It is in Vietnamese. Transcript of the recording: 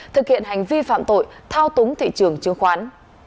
thực hiện hành vi phạm tội thao túng thị trường chứng khoán